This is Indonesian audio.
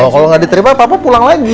kalau gak diterima papa pulang lagi